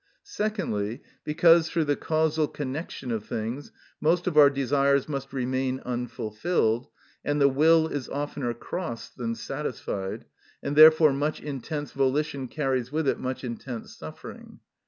Secondly, because, through the causal connection of things, most of our desires must remain unfulfilled, and the will is oftener crossed than satisfied, and therefore much intense volition carries with it much intense suffering.